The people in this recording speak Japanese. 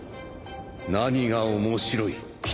何が面白い？